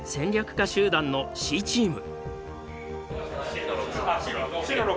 家集団のＣチーム。